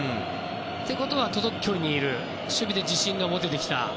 ということは届く距離にいる守備で自信が持ててきた。